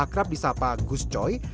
mereka lewat perintahature mewaris mabruri